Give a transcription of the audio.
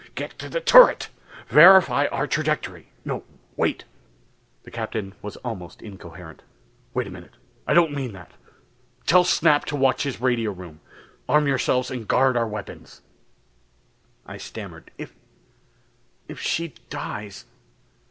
Get to the turret! Verify our trajectory no wait...." The Captain was almost incoherent. "Wait a minute. I don't mean that! Tell Snap to watch his radio room. Arm yourselves and guard our weapons." I stammered, "If ... if she dies